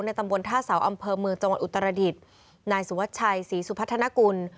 ในตำบลทาสาวอำเภอเมืองจังหวัดอุตรศักดิตนายสุวชัยศรีสุพัฒนากุล